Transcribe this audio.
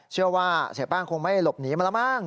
เชื่อว่าเสียแป้งคงไม่หลบหนีมาแล้วมั้ง